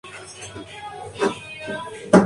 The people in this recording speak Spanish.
Desde esta capilla se accede a la sacristía.